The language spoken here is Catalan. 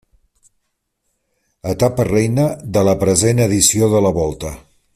Etapa reina de la present edició de la Volta.